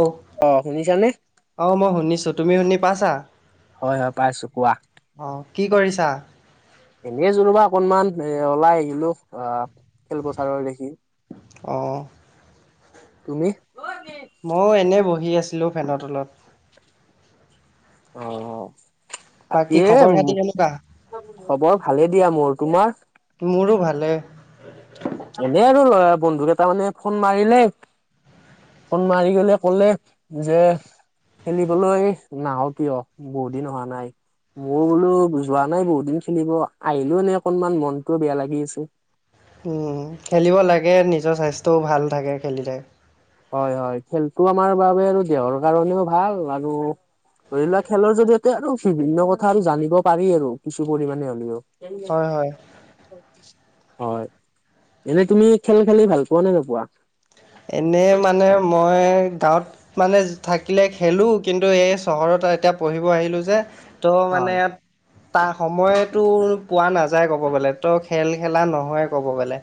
অ'। অ', শুনিছানে? অ', মই শুনিছোঁ‌, তুমি শুনি পাইছা? হয়, হয় পাইছোঁ, কোৱা। অ', কি কৰিছা? এনে আছোঁ ৰ'বা অকনমান, এ ওলাই আহিলোঁ‌ অ', খেল পথাৰৰ দেখি। অ'। তুমি? ময়ো এনেই বহি আছিলোঁ ফেনৰ তলত। অ'-অ'। বাকী খবৰ খাতি এ-মো, কেনেকুৱা খবৰ ভালেই দিয়া মোৰ, তোমাৰ? মোৰো ভালে। এনে আৰু ল'ৰা বন্ধু কেইটা মানে ফোন মাৰিলে ফোন মাৰি পেলে ক'লে যে, খেলিবলৈ নাহ কিয়, বহুত দিন অহা নাই। মই বোলো যোৱা নাই বহুত দিন খেলিব, আহিলোও এনে অকনমান মনটোও বেয়া লাগি আছে। উম খেলিব লাগে নিজৰ স্বাস্থ্যও ভাল থাকে খেলিলে। হয় হয় খেলটো আমাৰ বাবে আৰু দেহৰ কাৰণেও ভাল আৰু ধৰি লোৱা খেলৰ জৰিয়তে আৰু বিভিন্ন কথা আৰু জানিব পাৰি আৰু কিছু পৰিমানে হ'লেও। খেলি আছো। হয় হয় হয়, এনেই তুমি খেল খেলি ভাল পোৱা নে নোপোৱা? এনেই মানে মই গাঁৱত। মানে থাকিলে খেলোঁ, কিন্তু এই চহৰত এতিয়া পঢ়িব আহিলোঁ যে ত মানে হয়, ইয়াত তাৰ সময়তো পোৱা নাযায় ক'ব গ'লে ত খেল খেলা নহয় ক'ব গ'লে।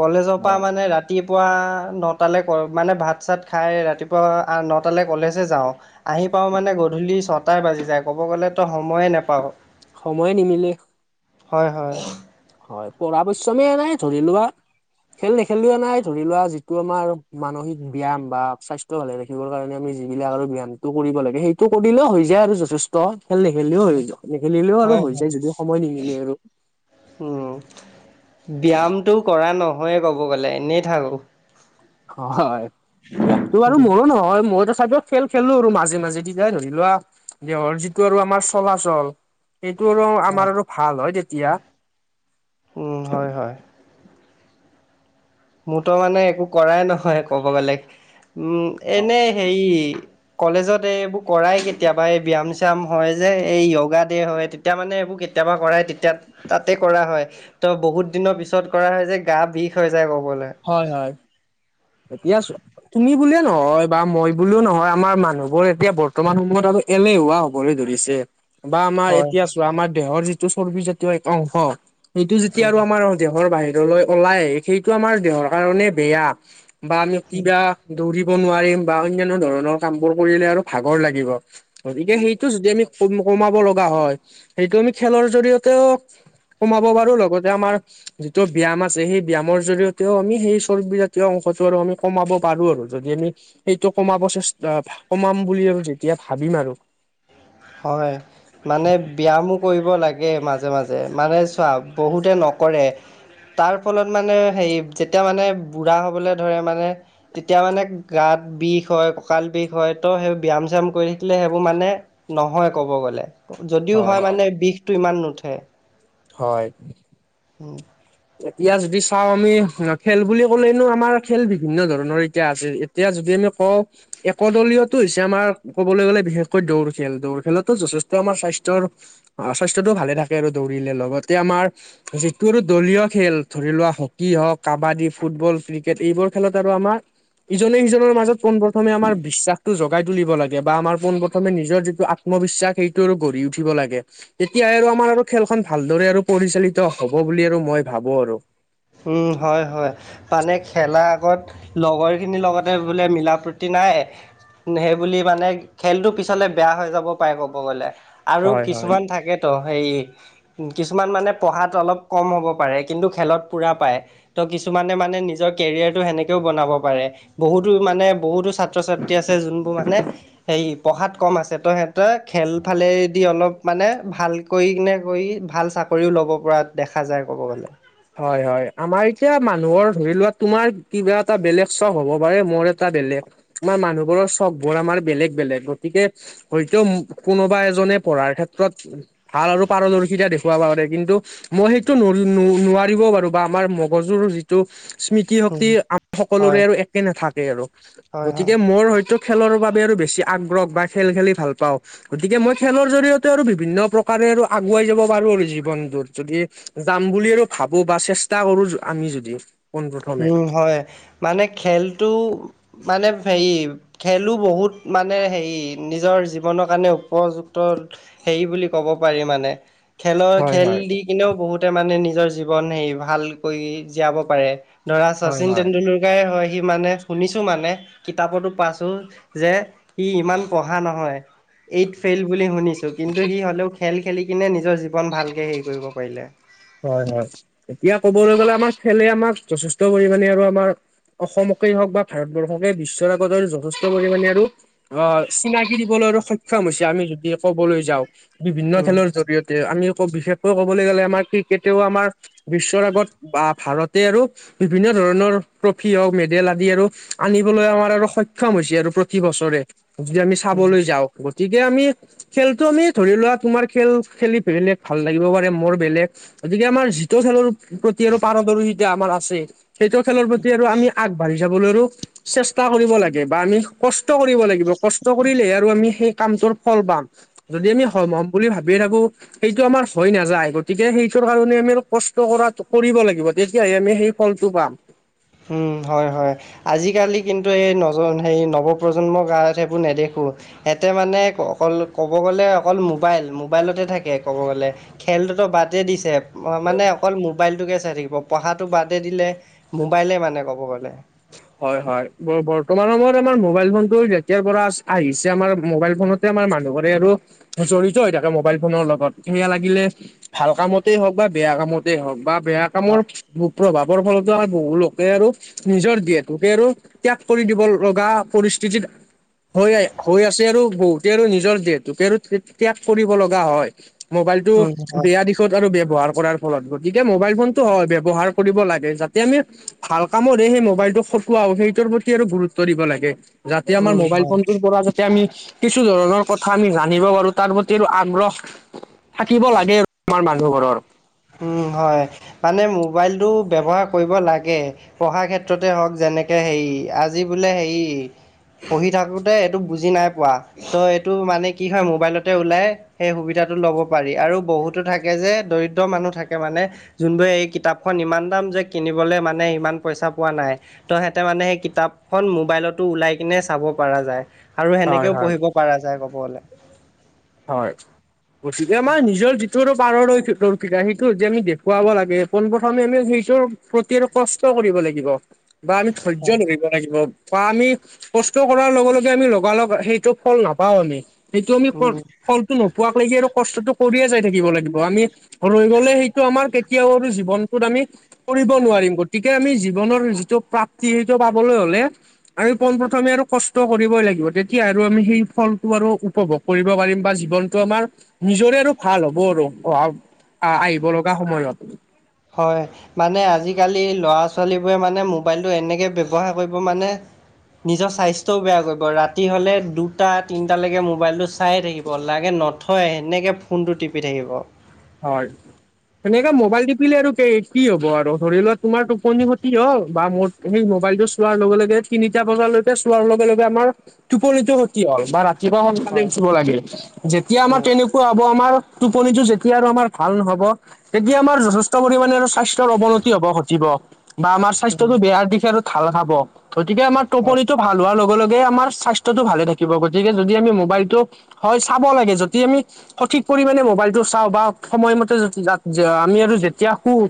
কলেজৰ পৰা হয়। মানে ৰাতিপুৱা ন ন টালৈ মানে ভাত চাত খাই ৰাতিপুৱা ন টালৈ কলেজে যাওঁ। আহি পাওঁ মানে গধূলি ছটাই বাজি যায় ক'ব গ'লেতো সময়ে নাপাওঁ। সময়ে নিমিলে। হয় হয় হয় পঢ়া পৰিশ্ৰম নাই ধৰি লোৱা, খেল নেখেলিলে নাই ধৰি লোৱা, যিটো আমাৰ মানসিক ব্যায়াম বা স্বাস্থ্য ভালে ৰাখিবৰ কাৰণে আমি যিবিলাক আৰু ব্যায়ামটো কৰিব লাগে সেই, সেই টো কৰিলেও হৈ যায় আৰু যথেষ্ট খেল নেখেলিলেও হৈ যায় নেখেলিলেও আৰু হয় হৈ হয় যায় যদিও সময় নিমিলে আৰু। উম- ব্যায়ামটো কৰা নহয়ে ক'ব গ'লে এনেই থাকোঁ। হয়, ব্যায়ামটো আৰু উম মোৰো নহয় মোৰ টো চাগে খেল খেলো আৰু মাজে মাজে তেতিয়া ধৰি লোৱা দেহৰ যিটো আৰু আমাৰ চলাচল। সেইটো আৰু হয় আমাৰ আৰু ভাল হয় তেতিয়া, উম হয় হয়। মোৰ টো মানে একো কৰাই নহয় ক'ব গ'লে উম এনে হেৰি, কলেজত এইবোৰ কৰাই কেতিয়াবা এই ব্যায়াম -চিয়াম হয় যে, এই য়োগা দে হয়। তেতিয়া মানে এইবোৰ কেতিয়াবা কৰাই তেতিয়া তাতেই কৰা হয়। ত বহুত দিনৰ পিছত কৰা হয় যে, গা বিষ হৈ যায় ক'ব গ'লে। হয় হয়। এতিয়া চোৱা তুমি বুলিয়ে নহয়, বা মই বুলিও নহয় আমাৰ মানুহবোৰ এতিয়া বৰ্তমান সময়ত আমি এনে হৱা হবলৈ ধৰিছে। বা আমাৰ হয়, এতিয়া চোৱা আমাৰ দেহৰ যিটো চৰ্বিজাতীয় এক অংশ সেইটো যেতিয়া উম। আৰু আমাৰ, দেহৰ বাহিৰলৈ ওলাই আহে, সেইটো আমাৰ দেহৰ কাৰণে বেয়া বা আমি কিবা- দৌৰিব নোৱাৰিম বা অন্যান্য ধৰণৰ কাম বোৰ কৰিলে আৰু ভাগৰ লাগিব। গতিকে সেইটো যদি আমি কমাব লগা হয় সেইটো আমি খেলৰ জৰিয়তেও, কমাব পাৰো লগতে আমাৰ- যিটো ব্যায়াম আছে, সেই ব্যায়ামৰ জৰিয়তেও আমি সেই চৰ্বীজাতীয় অংশ অংশ টো আমি কমাব পাৰো আৰু যদি আমি, সেইটো কমাব চেষ্টা কমাম বুলি আৰু যেতিয়া ভাবিম আৰু, হয়- মানে ব্যায়াম কৰিব লাগে মাজে মাজে মানে চোৱা বহুতে নকৰে তাৰ ফলত মানে হেৰি যেতিয়া মানে বুঢ়া হ'বলৈ ধৰে মানে, তেতিয়া মানে গাত বিষ হয়, কঁকাল বিষ হয়, ত সেই ব্যায়াম- চ্যায়াম কৰি থাকিলে সেইবোৰ মানে নহয় ক'ব গ'লে, যদিও হয় মানে বিষটো ইমান নুঠে। হয়। উম। এতিয়া যদি চাও আমি খেল বুলি ক'লেনো, আমাৰ খেল বিভিন্ন ধৰণৰ এতিয়া আছে। এতিয়া যদি আমি কওঁ। একদলীয়তো হৈছে। আমাৰ ক'বলৈ গ'লে বিশেষকৈ দৌৰ খেল, দৌৰ খেলতো যথেষ্ট আমাৰ স্বাস্থ্যৰ অ, স্বাস্থ্যটো ভালে থাকে আৰু। দৌৰিলে লগতে আমাৰ যিটো আৰু দলীয় খেল ধৰি লোৱা হকী হওক, কাবাডী, ফুটবল, ক্ৰিকেট, এইবোৰ খেলত আৰু আমাৰ ইজনে সিজনৰ মাজত পোনপ্ৰথমে আমাৰ বিশ্বাসটো জগাই তুলিব লাগে বা আমাৰ পোনপ্ৰথমে নিজৰ যিটো আত্মবিশ্বাস সেইটোও আৰু গঢ়ি উঠিব লাগে। তেতিয়া আৰু আমাৰ আৰু খেলখন ভালদৰে আৰু পৰিচালিত হব বুলি আৰু মই ভাবো আৰু। উম, হয়- হয়। মানে খেলা আগত লগৰখিনিৰ লগতে বোলে মিলা প্ৰীতি নাই। সেইবুলি মানে খেলটো পিছলৈ বেয়া হৈ যাব পাৰে। ক'ব গ'লে আৰু হয় হয় কিছুমান থাকে। ত সেই কিছুমান মানে পঢ়াত অলপ কম হ'ব পাৰে। কিন্তু খেলত পুৰা পায়। ত' কিছুমানে মানে নিজৰ কেৰিয়াৰটো সেনেকেও বনাব পাৰে। বহুতো মানে, বহুতো ছাত্ৰ- ছাত্ৰী আছে যোনবোৰ মানে হে পঢ়াত কম আছে, ত' সিহঁতে খেল ফালেদি অলপ মানে ভাল কৰি কিনে কৰি ভাল চাকৰিও ল'ব পৰা দেখা যায় ক'ব গ'লে। হয়- হয়, আমাৰ এতিয়া মানু্হ মানুহৰ ধৰি লোৱা তোমাৰ কিবা এটা বেলেগ চখ হ'ব পাৰে, মোৰ এটা বেলেগ। আমাৰ মানুহবোৰৰ চখবোৰ আমাৰ বেলেগ বেলেগ। গতিকে হয়তো কোনোবা এজনে পঢ়াৰ ক্ষেত্ৰত ভাল আৰু পাৰদৰ্শিতা দেখুৱাব পাৰে। কিন্তু মই সেইটো ন- ন- ন নোৱাৰি। ৰিবও পাৰো বা মগজুৰ যিটো স্মৃতি শক্তি আ, সকলোৰে হয়। আৰু একে নাথাকে আৰু। হয় হয় গতিকে মোৰ হয়তো খেলৰ বাবে আৰু বেছি আগ্ৰহ বা খেল খেলি ভাল পাওঁ। গতিকে মই খেলৰ জৰিয়তে আৰু বিভিন্ন প্ৰকাৰে আৰু আগুৱাই যাব পাৰোঁ আৰু। জীৱনটোত যদি যাম বুলি আৰু ভাবো বা চেষ্টা কৰো আমি যদি। পোন প্ৰথমে। উম, হয় মানে খেলটো মানে হেৰি খেলো বহুত মানে হেৰি নিজৰ জীৱনৰ কাৰণে উপযুক্ত সেৰি বুলি ক'ব পাৰি মানে। খেলৰ- হয় খেল হয় দি কিনেও বহুতে মানে নিজৰ জীৱন হেৰি ভালকৈ জীয়াব পাৰে। ধৰা হয় শচীন হয় তেটেণ্ডুলকাৰেই হয়। সি মানে শুনিছোঁ মানে কিতাপতো পাইছোঁ। যে ই ইমান পঢ়া নহয়, এইট ফেইল বুলি শুনি ছো। কিন্তু সি হ'লেও খেল খেলি কিনে নিজৰ জীৱন ভালকে হেৰি কৰিব পাৰিলে। হয়- হয়, এতিয়া ক'বলৈ গ'লে আমাৰ খেলে আমাক যথেষ্ট পৰিমাণে আৰু আমাৰ অসমকেই হওক বা ভাৰতবৰ্ষকে বিশ্বৰ আগত আৰু যথেষ্ট পৰিমাণে আৰু অ, চিনাকি দিবলৈ সক্ষম হৈছে। আমি যদি ক'বলৈ যাওঁ বিভিন্ন উম খেলৰ জৰিয়তে আমি বিশেষকৈ ক'বলৈ গ'লে আমাৰ ক্ৰিকেটেও আমাৰ বিশ্বৰ আগত বা ভাৰতে আৰু বিভিন্ন ধৰণৰ ট্ৰফি হওঁক, মেডেল আদি আৰু আনিবলৈ আমাৰ আৰু সক্ষম হৈছে আৰু প্ৰতি বছৰে। যদি আমি উম চাবলৈ যাওঁ। গতিকে আমি খেলটো আমি ধৰি লোৱা, তোমাৰ খেল খেলি বেলেগ ভাল লাগিব পাৰে। মোৰ বেলেগ গতিকে আমাৰ যিটো খেলৰ প্ৰতি আৰু পাৰদৰ্শিতা আমাৰ আছে। সেইটো খেলৰ প্ৰতি আৰু আমি আগবাঢ়ি যাবলৈ আৰু চেষ্টা কৰিব লাগে বা আমি কষ্ট কৰিব লাগিব। কষ্ট কৰিলেহে আৰু আমি সেই কামটোৰ ফল পাম। যদি আমি হম হম বুলি ভাবি থাকো, সেইটো আমাৰ হৈ নাযায়। গতিকে সেই টোৰ কাৰণে আমি কষ্ট কৰা কৰিব লাগিব তেতিয়াহে আমি সেই ফলটো পাম। উম হয় হয়। আজিকালি কিন্তু এই নজন হে নৱপ্ৰজন্মৰ গাত সেইবোৰ নেদেখোঁ। সেহেতে মানে অকল ক'ব গ'লে অকল মোবাইল, মোবাইলতে থাকে ক'ব গ'লে। খেলটোতো বাদে দিছে, অ মানে অকল মোবাইলটোকে চাই থাকিব। পঢ়াটো বাদে দিলে। মোবাইলে মানে ক'ব গ'লে। হয় হয়, বৰ বৰ্তমান সময়ত আমাৰ মোবাইল ফোনটো যেতিয়াৰ পৰা আছ আহিছে, আমাৰ মোবাইল ফোনত তে আমাৰ মানুহৰে আৰু জড়িত হৈ থাকে মোবাইল ফোনৰ লগত। ‌সেয়া লাগিলে ভাল কামতেই হওঁক বা বেয়া কামত। তে হওঁক বা বেয়া কামৰ হয়, কু-প্ৰভাৱৰ ফলতো আৰু বহু লোকে আৰু নিজৰ দি লোকে আৰু ত্যাগ কৰি দিব লগা পৰিস্থিতিত হৈ হৈ আছে আৰু বহুতে আৰু নিজৰ দেহটোকে আৰু তে-ত্যাগ কৰিব লগা হয়। মোবাইলটো উম, হয়। বেয়া দিশ ত আৰু ব্যৱহাৰ কৰাৰ ফলত। গতিকে মোবাইল ফোনটো অ ব্যৱ‍‍হাৰ কৰিব লাগে যাতে আমি ভাল কামতহে সেই মোবাইলটো সো ৱাও সেইটোৰ প্ৰতি আৰু গুৰুত্ব দিব লাগে। যাতে আমাৰ উম, মোবাইল হয়। ফোনটোৰ পৰা যাতে আমি কিছু ধৰণৰ কথা আমি জানিব পাৰো। তাৰ প্ৰতি আৰু আগ্ৰহ থাকিব লাগে আৰু আমাৰ মানুহৰৰ। উম হয় মানে মোবাইলটো ব্যৱহাৰ কৰিব লাগে। পঢ়া ক্ষেত্ৰতে হওঁক যেনেকে হেৰি আজি বোলে হেৰি পঢ়ি থাকোঁতে এইটো বুজি নাই পোৱা। ত' এইটো মানে কি হয় মোবাইলতে ওলায়। সেই সুবিধাটো ল'ব পাৰি। আৰু বহুতো থাকে যে দৰি দ্ৰ মানুহ থাকে মানে যোনবোৰে এই কিতাপখন ইমান দাম যে কিনিবলৈ মানে ইমান পইচা পোৱা নাই। ত সিহেঁতে মানে কিতাপখন মোবাইলতো ওলাই কিনে চাব পাৰা যায়। আৰু হয় সেনেকেও হয় পঢ়িব পাৰা যায় ক'ব গ'লে। হয়। গতিকে আমাৰ নিজৰ যিটো পাৰদৰ্শি-দৰ্শিতা সেইটো যে আমি দেখুৱাব লাগে। পোন প্ৰথমে আমি সেইটোৰ প্ৰতি আৰু কষ্ট কৰিব লাগিব বা আমি ধৈৰ্য ধৰি ব লাগিব, বা আমি কষ্ট কৰাৰ লগে লগে আমি লগা লগ সেইটো ফল নাপাওঁ আমি। সেইটো আমি উম, ফল-ফলটো নোপোৱাক লেকি আৰু কষ্টটো কৰিয়ে যাই থাকিব লাগিব। আমি ৰৈ গ'লে সেইটো আমাৰ কেতিয়াও আৰু জীৱনটোত আমি কৰিব নোৱাৰিম। গতিকে আমি জীৱনৰ যিটো প্ৰাপ্তি সেইটো পাবলৈ হ'লে আমি পোন প্ৰথমে আৰু কষ্ট কৰিবই লাগিব। তেতিয়া আৰু আমি সেই ফলটো আৰু উপভোগ কৰিব পাৰিম। বা জীৱনতটো আমাৰ নিজৰে আৰু ভাল হ'ব আৰু অহা আ-আহিব লগা সময়ত। হয়। মানে আজিকালি ল'ৰা-ছোৱালীবোৰে মানে মোবাইলটো এনেকে ব্যৱহাৰ কৰিব মানে নিজৰ স্বাস্থ্যও বেয়া কৰিব। ৰাতি হ'লে দুটা তিনিটালৈকে মোবাইলটো চায়ে থাকিব লাগে ন থ‌য় এনেক ফোনটো টিপি থাকিব। হয়। সেনেকে মোবাইল তিপিলে আৰু কেই কি হ'ব? আৰু ধৰি লোৱা তোমাৰ টোপনি খতি হ'ল বা মোৰ সেই মোবাইলটো চোৱাৰ লগে লগে তিনিটা বজালৈকে চোৱাৰ লগে লগে আমাৰ টোপনিতো খতি হ'ল। [unintelligible] তিপুৱা সোনকালে হয় উঠিব লাগে যেতিয়া আমাৰ উম তেনেকুৱা হ'ব আমাৰ টোপনিটো যেত তিয়া আৰু আমাৰ ভাল নহব তেতিয়া আমাৰ যথেষ্ট পৰিমানে আৰু স্বাস্থ্যৰ অৱনতি হব ঘটিব। বা আমাৰ স্বাস্থ্য উম টো বেয়া দিশে আৰু ধাল খাব গতিকে আমাৰ হয় টোপনিটো ভাল হোৱাৰ লগে লগে আমাৰ স্বাস্থ্যটো ভালে থাকিব গতিকে যদি আমি মোবাইলটো হয় চাব লাগে যতি আমি সঠিক পৰিমাণে মোবাইলটো চা চাওঁ বা সময়মতে যতি যত আমি আৰু যেতিয়া শুও।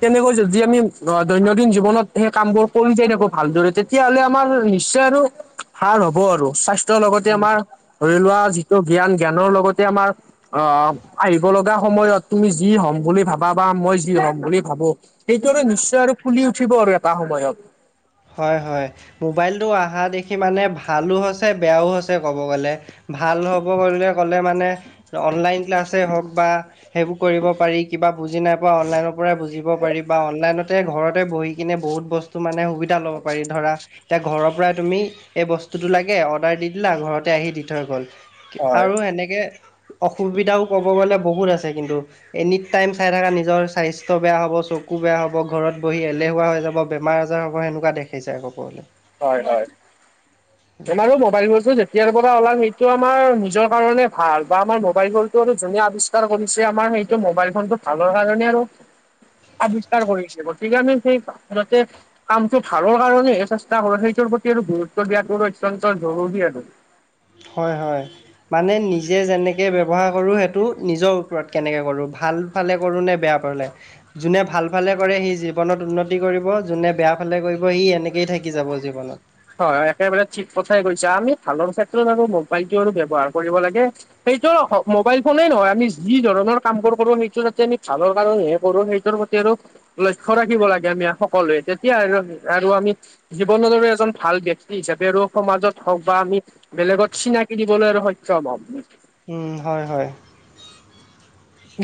তেনেকৈ যদি আমি অ দৈনন্দিন জীৱনত সেই কামবোৰ কৰি যাই থাকো ভালদৰে তেতিয়াহ'লে আমাৰ নিশ্চয় আৰু ভাল হব আৰু চাইচ [unintelligible] লগতে উম আমাৰ ধৰি লোৱা যিটো জ্ঞান জ্ঞানৰ লগতে আমাৰ অ আহিব লগা সময়ত তুমি যি হ'ম বুলি ভাবা বা মই যি হ'ম বুলি ভাবো এইটো আৰু নিশ্চয় আৰু ফুলি উঠিব আৰু এটা সময়ত। হয় -হয় মোবাইলটো আহা দেখি মানে ভালো হৈছে বেয়াও হৈছে ক'ব গ'লে। ভাল হ'ব গলে ক'লে মানে অনলাইন ক্লাছেই হ'ক বা সেইবোৰ কৰিব পাৰি কিবা বুজি নাই পোৱা অনলাইনৰ পৰাই বুজিব পাৰি বা অনলাইনতে ঘৰতে বহি কিনে বহুত বস্তু তো মানে সুবিধা ল'ব পাৰি ধৰা এতিয়া ঘৰৰ পৰাই তুমি এই বস্তুটো লাগে অৰ্ডাৰ দি দিলা ঘৰতে আহি দি থৈ গ'ল। হয়, আৰু সেনেকে অসুবিধাও ক'ব গ'লে বহুত আছে কিন্তু। এনি টাইম চাই থাকা নিজৰ স্বাস্থ্য বেয়া হব চকু বেয়া হব ঘৰত বহি এলেহুৱা হৈ যাব বেমাৰ আজাৰ হ'ব সেনেকুৱা দেখিছে আকৌ ক'বলে। হয় -হয়। তোমাৰো মোবাইল [unintelligible] যেতিয়াৰ পৰা ওলাল সেইটো আমাৰ নিজৰ কাৰণে ভাল বা আমাৰ মোবাইল [unintelligible] আৰু যোনে আৱিষ কাৰ কৰিছে আমাৰ সেইটো মোবাইল ফোনটো ভালৰ কাৰণে আৰু। আৱিষ্কাৰ কৰিছে গতিকে আমি সেই [unintelligible] কামটো ভালৰ কাৰণেহে চেষ্টা কৰো সেইটোৰ প্ৰতি আৰু গুৰুত্ব দিয়াটো অত্যন্ত জৰুৰী আৰু। হয়- হয়। মানে নিজে যেনেকে ব্যৱহাৰ কৰোঁ সেইটো নিজৰ ওপৰত কেনেকে কৰোঁ ভাল ফালে কৰো নে বেয়া পালে। যোনে ভাল ফালে কৰে সি জীৱনত উন্নতি কৰিব যোনে বেয়া ফালে কৰিব সি এনেকেই থাকি যাব জীৱনত। হয় একেবাৰে ঠিক কথাই কৈছা আমি ভালৰ ক্ষেত্ৰত আৰু মোবাইলটো আৰু ব্যৱহাৰ কৰিব লাগে সেইটো মোবাইল ফোনেই নহয় আমি যি ধৰণৰ কামবোৰ কৰো সেইটো যাতে আমি ভালৰ কাৰনেহে কৰো সেই নিজৰ প্ৰতি আৰু লক্ষ্য ৰাখিব লাগে আমি সকলোৱে তেতিয়া আৰু -আৰু আমি জীৱনদৰে এজন ভাল ব্যক্তি হিচাপে আৰু সমাজত হওঁক বা আমি বেলেগত চিনাকি দিবলৈ আৰু সক্ষম হম। উম, হয় - হয়।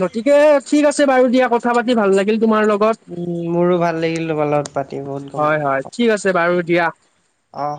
গতিকে ঠিক আছে বাৰু দিয়া কথা পাতি ভাল লাগিল তোমাৰ লগত। উম, মোৰো ভাল লাগিল তোমাৰ লগত। পাতি বহুত গম হয়- পালোঁ হয় ঠিক আছে বাৰু দিয়া। অ',